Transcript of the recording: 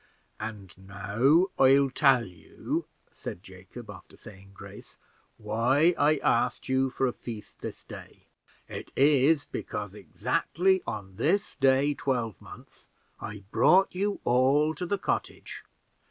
"And now I'll tell you," said Jacob, after saying grace, "why I asked you for a feast this day. It is because exactly on this day twelvemonth I brought you all to the cottage.